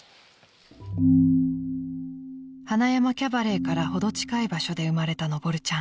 ［塙山キャバレーからほど近い場所で生まれたのぼるちゃん］